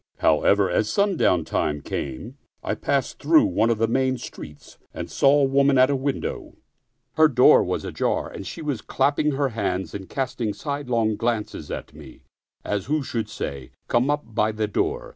However, as sundown time came, I passed through one of the main streets, and saw a woman at a window ; her door was ajar and she was clap ping her hands and casting sidelong glances at me, as who should say, " Come up by the door."